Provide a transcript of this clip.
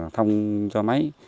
thông cho mấy